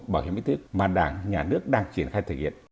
bảo hiểm y tế mà đảng nhà nước đang triển khai thực hiện